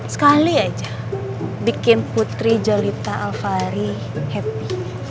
sekali aja bikin putri jelita alfari happy